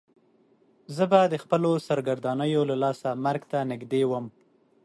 زه به د خپلو سرګردانیو له لاسه مرګ ته نږدې وم.